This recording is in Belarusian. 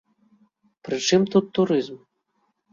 Пры чым тут турызм?